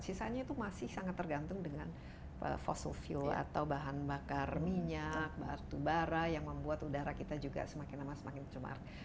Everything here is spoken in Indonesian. sisanya itu masih sangat tergantung dengan fossil fuel atau bahan bakar minyak batu bara yang membuat udara kita juga semakin lama semakin cemar